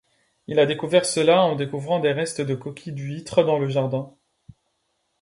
Il a découvert cela en découvrant des restes de coquilles d'huîtres dans le jardin.